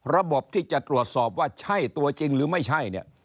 ระบบที่จะตรวจสอบว่าใช่ตัวจริงหรือไม่ใช่เนี่ย